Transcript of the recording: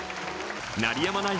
鳴りやまない